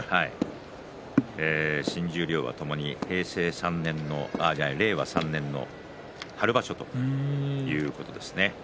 新十両ともに令和３年の春場所ということです。